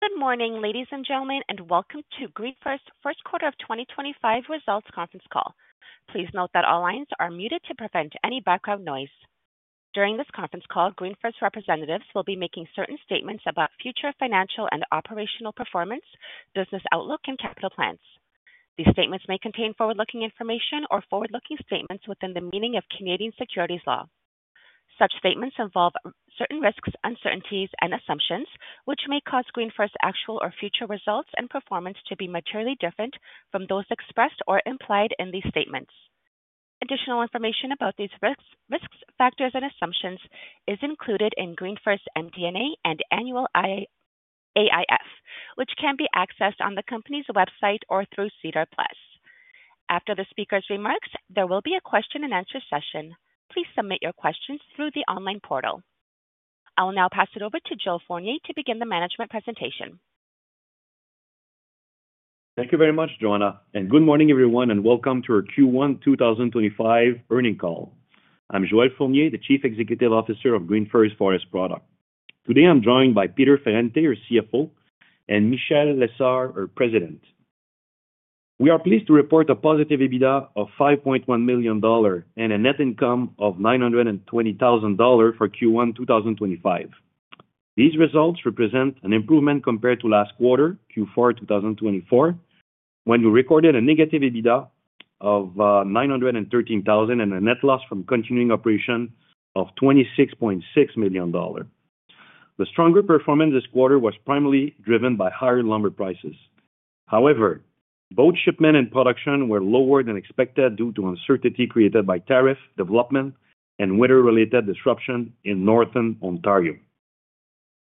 Good morning, ladies and gentlemen, and welcome to GreenFirst's first quarter of 2025 results conference call. Please note that all lines are muted to prevent any background noise. During this conference call, GreenFirst representatives will be making certain statements about future financial and operational performance, business outlook, and capital plans. These statements may contain forward-looking information or forward-looking statements within the meaning of Canadian securities law. Such statements involve certain risks, uncertainties, and assumptions, which may cause GreenFirst's actual or future results and performance to be materially different from those expressed or implied in these statements. Additional information about these risks, factors, and assumptions is included in GreenFirst's MD&A and annual AIF, which can be accessed on the company's website or through SEDAR+. After the speaker's remarks, there will be a question-and-answer session. Please submit your questions through the online portal. I will now pass it over to Joel Fournier to begin the management presentation. Thank you very much, Joanna, and good morning, everyone, and welcome to our Q1 2025 earning call. I'm Joel Fournier, the Chief Executive Officer of GreenFirst Forest Products. Today, I'm joined by Peter Ferrante, our CFO, and Michel Lessard, our President. We are pleased to report a positive EBITDA of $5.1 million and a net income of $920,000 for Q1 2025. These results represent an improvement compared to last quarter, Q4 2024, when we recorded a negative EBITDA of $913,000 and a net loss from continuing operations of $26.6 million. The stronger performance this quarter was primarily driven by higher lumber prices. However, both shipment and production were lower than expected due to uncertainty created by tariff development and weather-related disruption in Northern Ontario.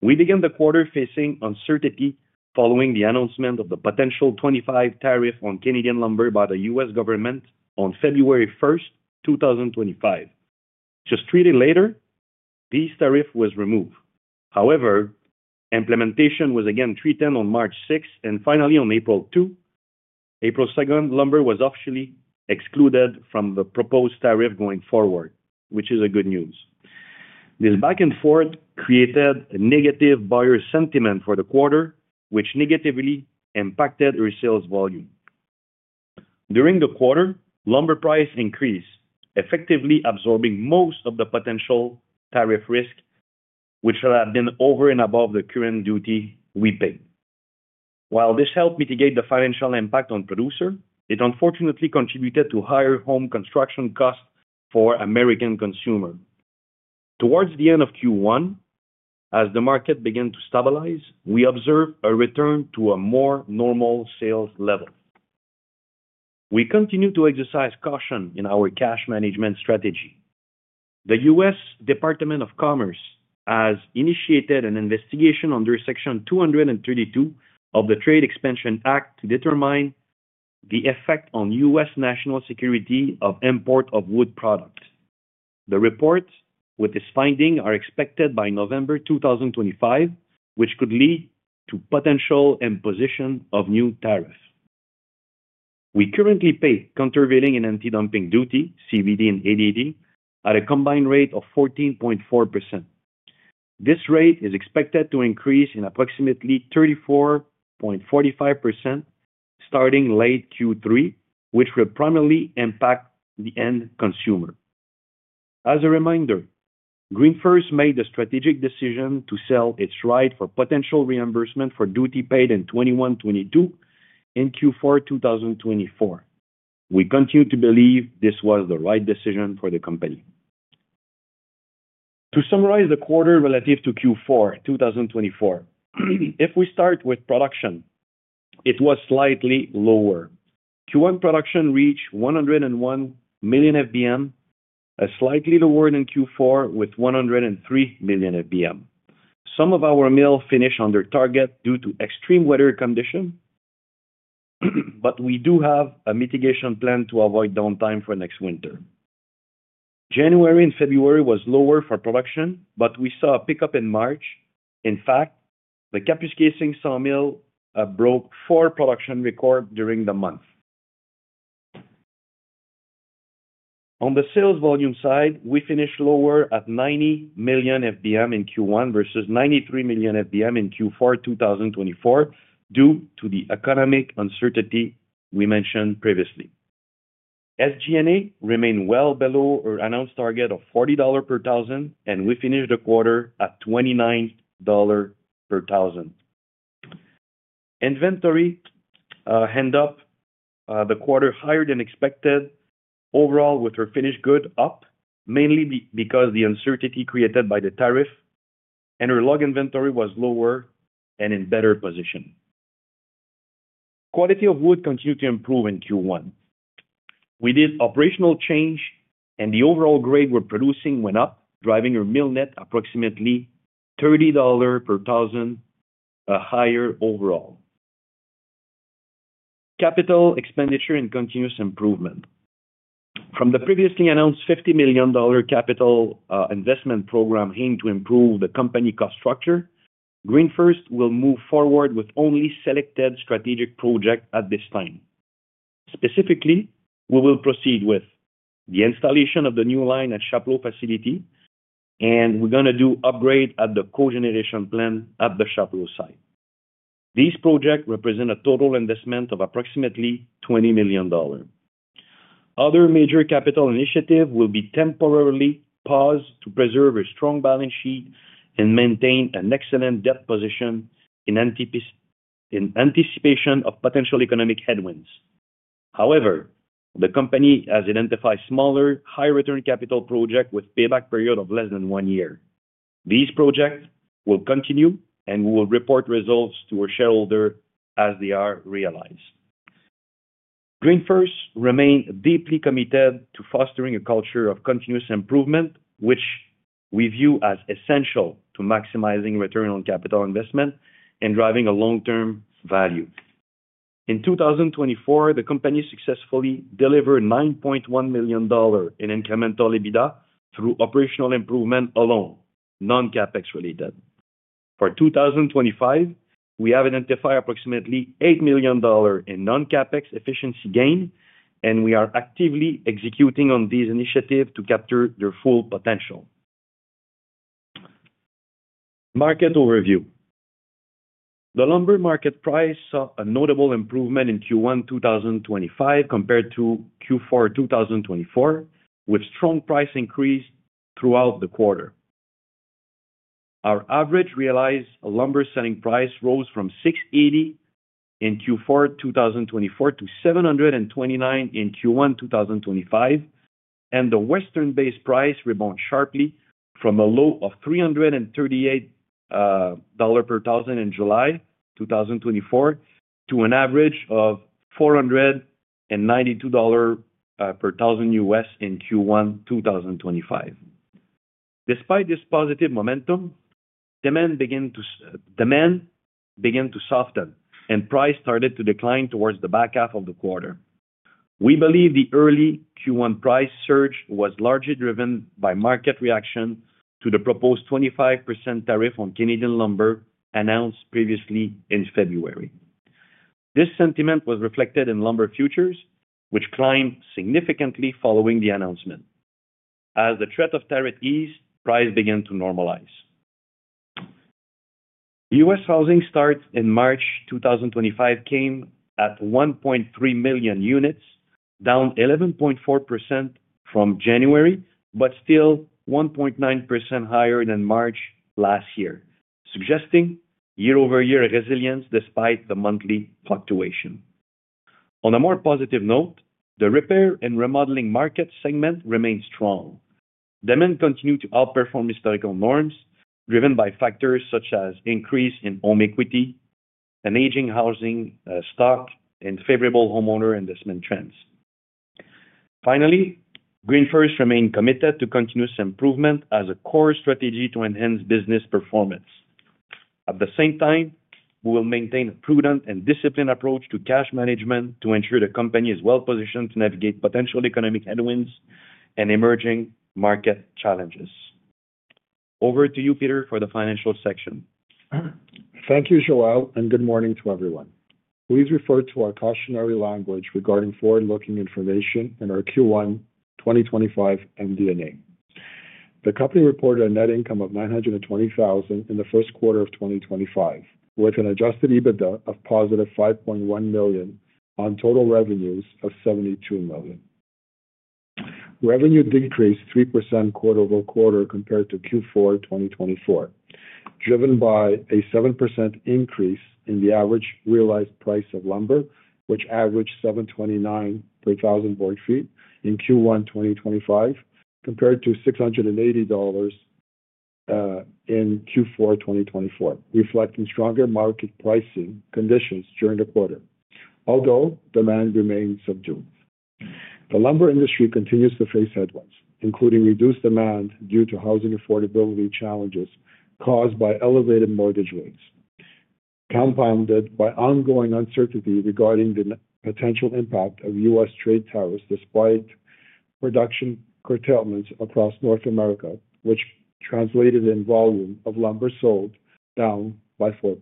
We began the quarter facing uncertainty following the announcement of the potential 25% tariff on Canadian lumber by the U.S. government on February 1st, 2025. Just three days later, this tariff was removed. However, implementation was again threatened on March 6, and finally on April 2. April 2nd, lumber was officially excluded from the proposed tariff going forward, which is good news. This back-and-forth created a negative buyer sentiment for the quarter, which negatively impacted our sales volume. During the quarter, lumber price increased, effectively absorbing most of the potential tariff risk, which had been over and above the current duty we paid. While this helped mitigate the financial impact on producers, it unfortunately contributed to higher home construction costs for American consumers. Towards the end of Q1, as the market began to stabilize, we observed a return to a more normal sales level. We continue to exercise caution in our cash management strategy. The U.S. Department of Commerce has initiated an investigation under Section 232 of the Trade Expansion Act to determine the effect on U.S. national security of import of wood products. The report with its findings is expected by November 2025, which could lead to potential imposition of new tariffs. We currently pay countervailing and anti-dumping duty, CVD and ADD, at a combined rate of 14.4%. This rate is expected to increase to approximately 34.45% starting late Q3, which will primarily impact the end consumer. As a reminder, GreenFirst made the strategic decision to sell its right for potential reimbursement for duty paid in 2021-2022 in Q4 2024. We continue to believe this was the right decision for the company. To summarize the quarter relative to Q4 2024, if we start with production, it was slightly lower. Q1 production reached 101 million FBM, slightly lower than Q4 with 103 million FBM. Some of our mills finished under target due to extreme weather conditions, but we do have a mitigation plan to avoid downtime for next winter. January and February were lower for production, but we saw a pickup in March. In fact, the Kapuskasing sawmill broke four production records during the month. On the sales volume side, we finished lower at 90 million FBM in Q1 versus 93 million FBM in Q4 2024 due to the economic uncertainty we mentioned previously. SG&A remained well below our announced target of $40 per thousand, and we finished the quarter at $29 per thousand. Inventory ended up the quarter higher than expected, overall with our finished goods up, mainly because of the uncertainty created by the tariff, and our log inventory was lower and in better position. Quality of wood continued to improve in Q1. We did operational change, and the overall grade we're producing went up, driving our mill net approximately $30 per thousand higher overall. Capital expenditure and continuous improvement. From the previously announced $50 million capital investment program aimed to improve the company cost structure, GreenFirst will move forward with only selected strategic projects at this time. Specifically, we will proceed with the installation of the new line at the Chapleau facility, and we're going to do upgrades at the cogeneration plant at the Chapleau site. These projects represent a total investment of approximately $20 million. Other major capital initiatives will be temporarily paused to preserve a strong balance sheet and maintain an excellent debt position in anticipation of potential economic headwinds. However, the company has identified smaller, high-return capital projects with a payback period of less than one year. These projects will continue, and we will report results to our shareholders as they are realized. GreenFirst remains deeply committed to fostering a culture of continuous improvement, which we view as essential to maximizing return on capital investment and driving long-term value. In 2024, the company successfully delivered $9.1 million in incremental EBITDA through operational improvement alone, non-CapEx related. For 2025, we have identified approximately $8 million in non-CapEx efficiency gain, and we are actively executing on these initiatives to capture their full potential. Market overview. The lumber market price saw a notable improvement in Q1 2025 compared to Q4 2024, with strong price increases throughout the quarter. Our average realized lumber selling price rose from $680 in Q4 2024 to $729 in Q1 2025, and the Western-based price rebounded sharply from a low of $338 per thousand in July 2024 to an average of $492 per 1,000 US in Q1 2025. Despite this positive momentum, demand began to soften, and price started to decline towards the back half of the quarter. We believe the early Q1 price surge was largely driven by market reaction to the proposed 25% tariff on Canadian lumber announced previously in February. This sentiment was reflected in lumber futures, which climbed significantly following the announcement. As the threat of tariff eased, price began to normalize. US housing starts in March 2025 came at 1.3 million units, down 11.4% from January, but still 1.9% higher than March last year, suggesting year-over-year resilience despite the monthly fluctuation. On a more positive note, the repair and remodeling market segment remained strong. Demand continued to outperform historical norms, driven by factors such as an increase in home equity, an aging housing stock, and favorable homeowner investment trends. Finally, GreenFirst remained committed to continuous improvement as a core strategy to enhance business performance. At the same time, we will maintain a prudent and disciplined approach to cash management to ensure the company is well-positioned to navigate potential economic headwinds and emerging market challenges. Over to you, Peter, for the financial section. Thank you, Joel, and good morning to everyone. Please refer to our cautionary language regarding forward-looking information in our Q1 2025 MD&A. The company reported a net income of $920,000 in the first quarter of 2025, with an adjusted EBITDA of positive $5.1 million on total revenues of $72 million. Revenue decreased 3% quarter-over-quarter compared to Q4 2024, driven by a 7% increase in the average realized price of lumber, which averaged $729 per thousand board feet in Q1 2025, compared to $680 in Q4 2024, reflecting stronger market pricing conditions during the quarter, although demand remained subdued. The lumber industry continues to face headwinds, including reduced demand due to housing affordability challenges caused by elevated mortgage rates, compounded by ongoing uncertainty regarding the potential impact of U.S. trade tariffs despite production curtailments across North America, which translated in volume of lumber sold down by 4%.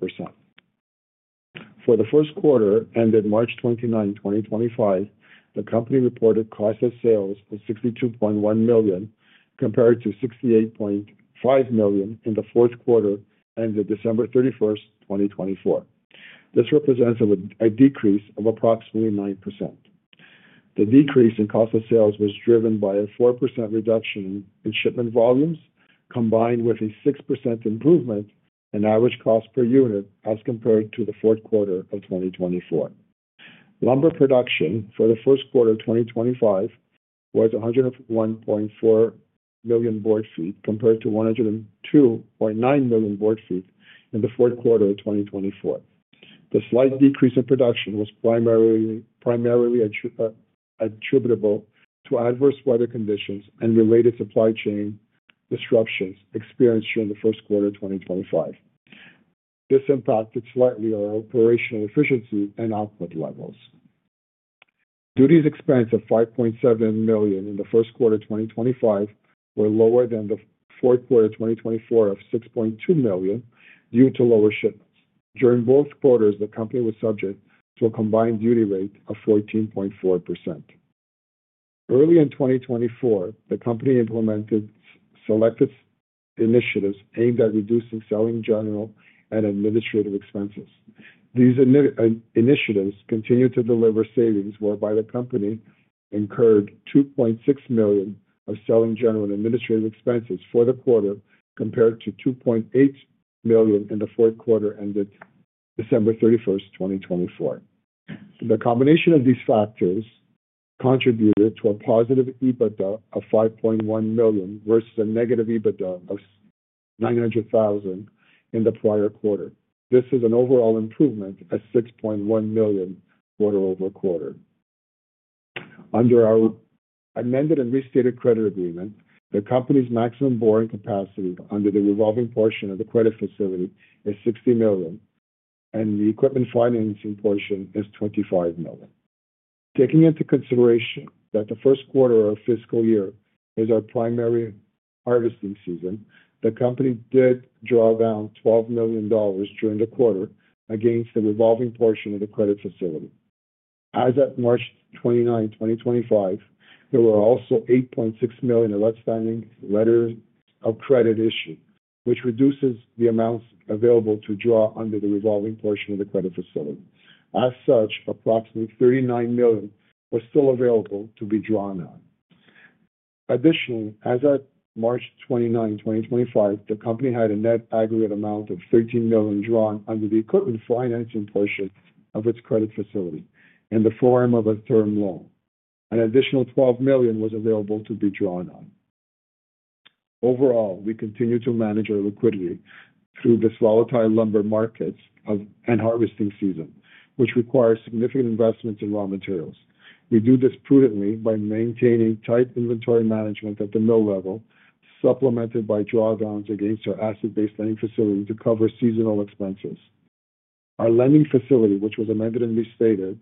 For the first quarter ended March 29, 2025, the company reported cost of sales of $62.1 million compared to $68.5 million in the fourth quarter ended December 31, 2024. This represents a decrease of approximately 9%. The decrease in cost of sales was driven by a 4% reduction in shipment volumes, combined with a 6% improvement in average cost per unit as compared to the fourth quarter of 2024. Lumber production for the first quarter of 2025 was 101.4 million board feet compared to 102.9 million board feet in the fourth quarter of 2024. The slight decrease in production was primarily attributable to adverse weather conditions and related supply chain disruptions experienced during the first quarter of 2025. This impacted slightly our operational efficiency and output levels. Duties expensed of $5.7 million in the first quarter of 2025 were lower than the fourth quarter of 2024 of $6.2 million due to lower shipments. During both quarters, the company was subject to a combined duty rate of 14.4%. Early in 2024, the company implemented selected initiatives aimed at reducing selling, general, and administrative expenses. These initiatives continued to deliver savings, whereby the company incurred $2.6 million of selling, general, and administrative expenses for the quarter compared to $2.8 million in the fourth quarter ended December 31st, 2024. The combination of these factors contributed to a positive EBITDA of $5.1 million versus a negative EBITDA of $900,000 in the prior quarter. This is an overall improvement at $6.1 million quarter-over-quarter. Under our amended and restated credit agreement, the company's maximum borrowing capacity under the revolving portion of the credit facility is $60 million, and the equipment financing portion is $25 million. Taking into consideration that the first quarter of our fiscal year is our primary harvesting season, the company did draw down $12 million during the quarter against the revolving portion of the credit facility. As of March 29, 2025, there were also $8.6 million of outstanding letters of credit issued, which reduces the amounts available to draw under the revolving portion of the credit facility. As such, approximately $39 million was still available to be drawn on. Additionally, as of March 29, 2025, the company had a net aggregate amount of $13 million drawn under the equipment financing portion of its credit facility in the form of a term loan. An additional $12 million was available to be drawn on. Overall, we continue to manage our liquidity through this volatile lumber market and harvesting season, which requires significant investments in raw materials. We do this prudently by maintaining tight inventory management at the mill level, supplemented by drawdowns against our asset-based lending facility to cover seasonal expenses. Our lending facility, which was amended and restated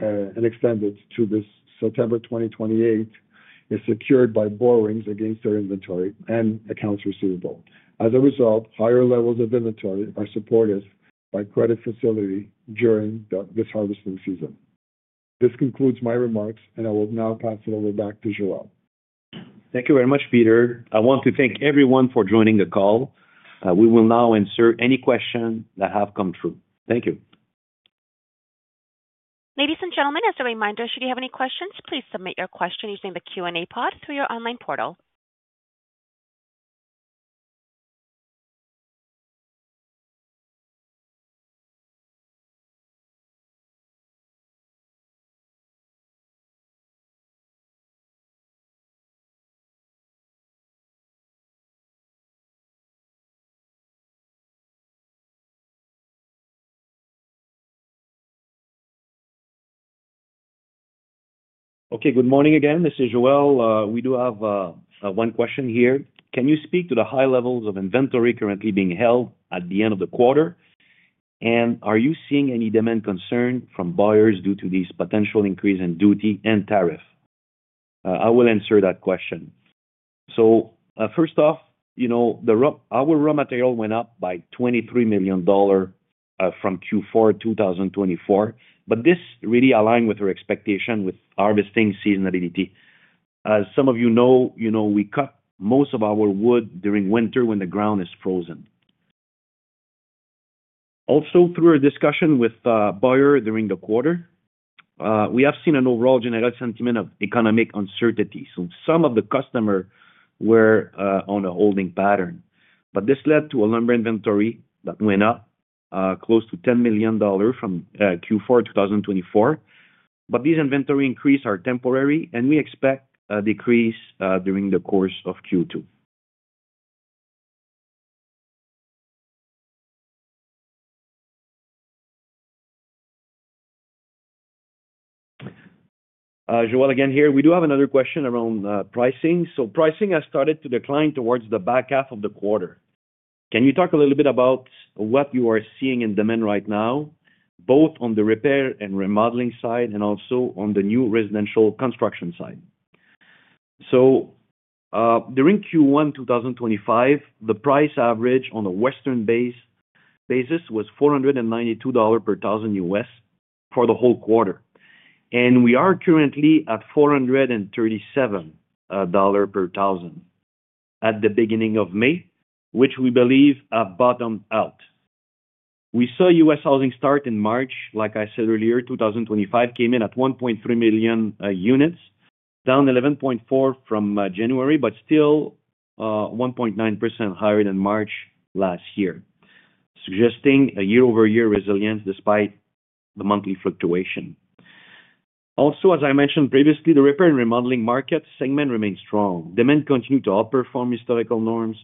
and extended to this September 2028, is secured by borrowings against our inventory and accounts receivable. As a result, higher levels of inventory are supported by the credit facility during this harvesting season. This concludes my remarks, and I will now pass it over back to Joel. Thank you very much, Peter. I want to thank everyone for joining the call. We will now answer any questions that have come through. Thank you. Ladies and gentlemen, as a reminder, should you have any questions, please submit your question using the Q&A pod through your online portal. Okay, good morning again. This is Joel. We do have one question here. Can you speak to the high levels of inventory currently being held at the end of the quarter? Are you seeing any demand concern from buyers due to this potential increase in duty and tariff? I will answer that question. First off, you know our raw material went up by $23 million from Q4 2024, but this really aligned with our expectation with harvesting seasonality. As some of you know, you know we cut most of our wood during winter when the ground is frozen. Also, through our discussion with buyers during the quarter, we have seen an overall general sentiment of economic uncertainty. Some of the customers were on a holding pattern, but this led to a lumber inventory that went up close to $10 million from Q4 2024. But this inventory increase is temporary, and we expect a decrease during the course of Q2. Joel again here. We do have another question around pricing. Pricing has started to decline towards the back half of the quarter. Can you talk a little bit about what you are seeing in demand right now, both on the repair and remodeling side and also on the new residential construction side? During Q1 2025, the price average on a Western Base was $492 per 1,000 US for the whole quarter, and we are currently at $437 per thousand at the beginning of May, which we believe has bottomed out. We saw U.S. housing start in March, like I said earlier, 2025 came in at 1.3 million units, down 11.4% from January, but still 1.9% higher than March last year, suggesting a year-over-year resilience despite the monthly fluctuation. Also, as I mentioned previously, the repair and remodeling market segment remains strong. Demand continued to outperform historical norms,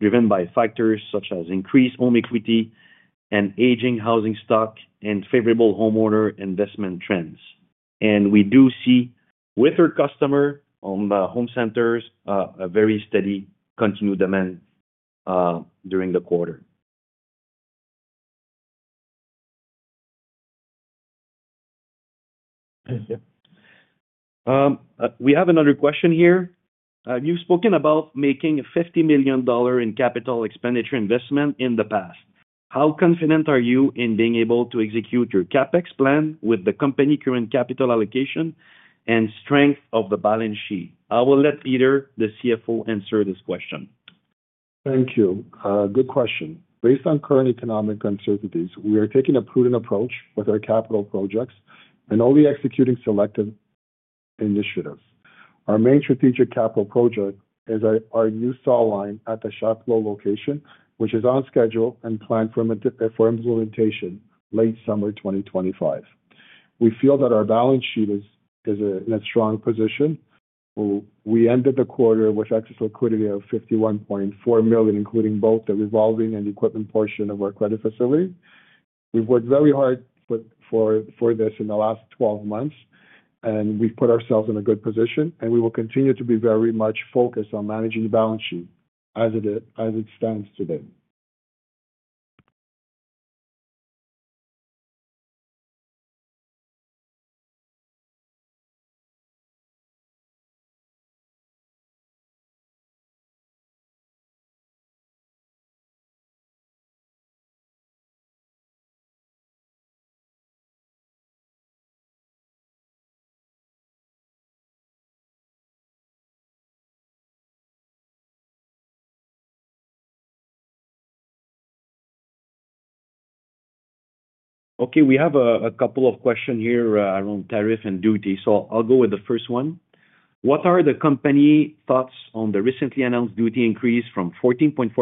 driven by factors such as increased home equity and aging housing stock and favorable homeowner investment trends. We do see with our customer on the home centers a very steady continued demand during the quarter. Thank you. We have another question here. You've spoken about making a $50 million in capital expenditure investment in the past. How confident are you in being able to execute your CapEx plan with the company's current capital allocation and strength of the balance sheet? I will let Peter, the CFO, answer this question. Thank you. Good question. Based on current economic uncertainties, we are taking a prudent approach with our capital projects and only executing selective initiatives. Our main strategic capital project is our new saw line at the Chapleau location, which is on schedule and planned for implementation late summer 2025. We feel that our balance sheet is in a strong position. We ended the quarter with excess liquidity of $51.4 million, including both the revolving and equipment portion of our credit facility. We've worked very hard for this in the last 12 months, and we've put ourselves in a good position, and we will continue to be very much focused on managing the balance sheet as it stands today. Okay, we have a couple of questions here around tariff and duty, so I'll go with the first one. What are the company thoughts on the recently announced duty increase from 14.4%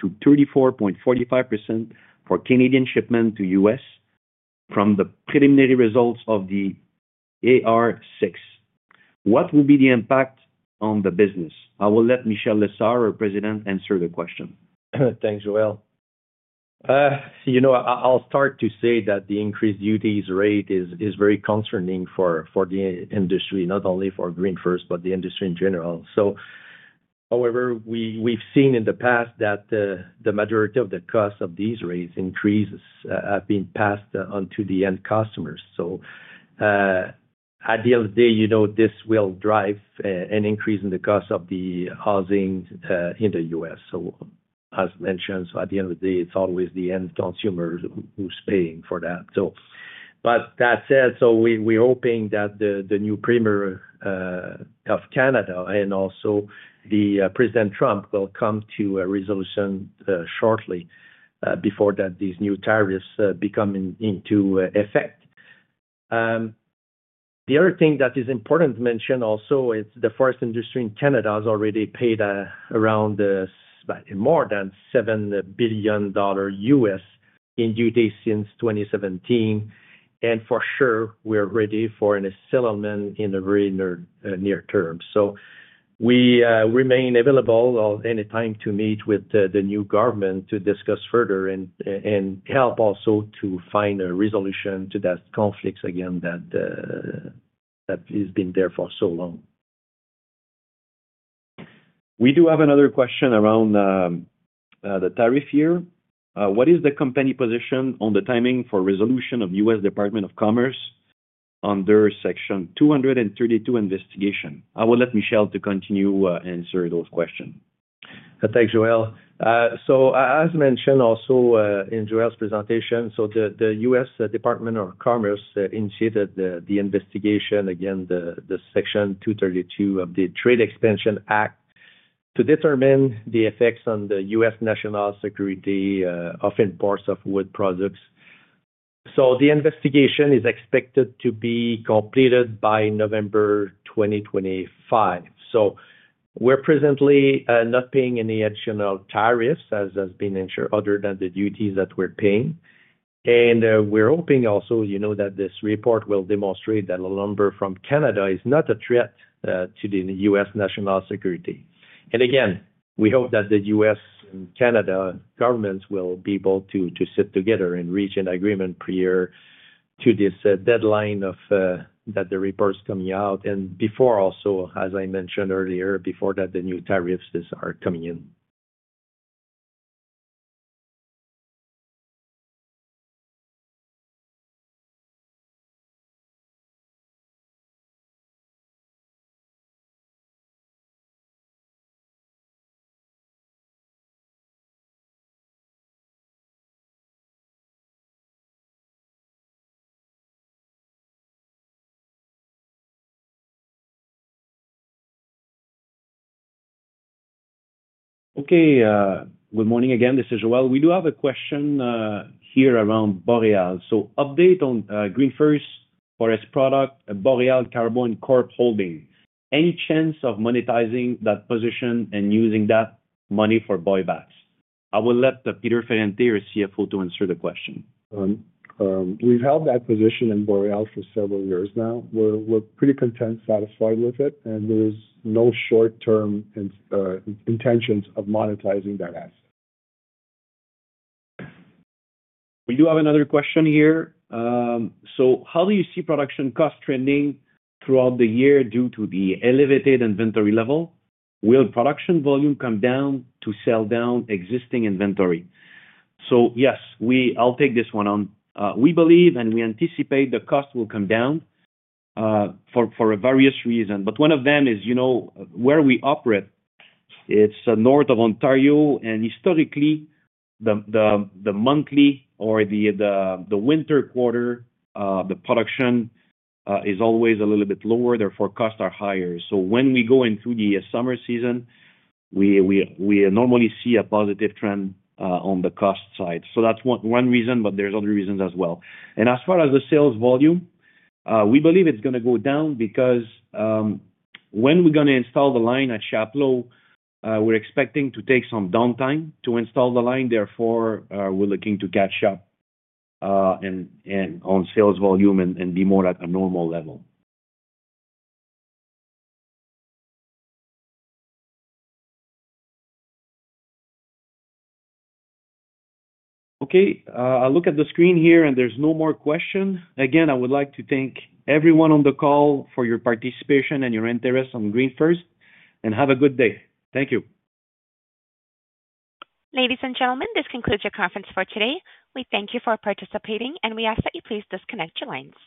to 34.45% for Canadian shipment to U.S. from the preliminary results of the AR6? What will be the impact on the business? I will let Michel Lessard, our President, answer the question. Thanks, Joel. You know I'll start to say that the increased duties rate is very concerning for the industry, not only for GreenFirst, but the industry in general. However, we've seen in the past that the majority of the costs of these rates increases have been passed on to the end customers. At the end of the day, you know this will drive an increase in the cost of the housing in the U.S. As mentioned, at the end of the day, it's always the end consumer who's paying for that. That said, we're hoping that the new Prime Minister of Canada and also President Trump will come to a resolution shortly before these new tariffs become into effect. The other thing that is important to mention also is the forest industry in Canada has already paid around more than $7 billion in duties since 2017, and for sure, we're ready for a settlement in the very near term. We remain available anytime to meet with the new government to discuss further and help also to find a resolution to those conflicts again that have been there for so long. We do have another question around the tariff here. What is the company position on the timing for resolution of U.S. Department of Commerce under Section 232 investigation? I will let Michel continue to answer those questions. Thanks, Joel. As mentioned also in Joel's presentation, the U.S. Department of Commerce initiated the investigation against Section 232 of the Trade Expansion Act to determine the effects on U.S. national security of imports of wood products. The investigation is expected to be completed by November 2025. We're presently not paying any additional tariffs, as has been ensured, other than the duties that we're paying. We're hoping also that this report will demonstrate that lumber from Canada is not a threat to U.S. national security. We hope that the U.S. and Canada governments will be able to sit together and reach an agreement prior to this deadline of the reports coming out and before, as I mentioned earlier, before the new tariffs are coming in. Okay, good morning again. This is Joel. We do have a question here around Boreal. So, update on GreenFirst Forest Products, Boreal Carbon Corp holding. Any chance of monetizing that position and using that money for buybacks? I will let Peter Ferrante, our CFO, answer the question. We've held that position in Boreal for several years now. We're pretty content, satisfied with it, and there's no short-term intentions of monetizing that asset. We do have another question here. How do you see production costs trending throughout the year due to the elevated inventory level? Will production volume come down to sell down existing inventory? Yes, I'll take this one on. We believe and we anticipate the cost will come down for various reasons, but one of them is where we operate. It's north of Ontario, and historically, the monthly or the winter quarter, the production is always a little bit lower, therefore, costs are higher. When we go into the summer season, we normally see a positive trend on the cost side. That's one reason, but there are other reasons as well. As far as the sales volume, we believe it's going to go down because when we're going to install the line at Chapleau, we're expecting to take some downtime to install the line. Therefore, we're looking to catch up on sales volume and be more at a normal level. Okay, I'll look at the screen here, and there's no more questions. Again, I would like to thank everyone on the call for your participation and your interest on GreenFirst, and have a good day. Thank you. Ladies and gentlemen, this concludes your conference for today. We thank you for participating, and we ask that you please disconnect your lines.